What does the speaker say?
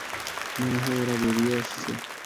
মনে হয় ওরা বেরিয়ে আসছে।